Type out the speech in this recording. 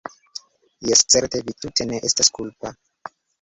jes, certe, vi tute ne estas kulpa.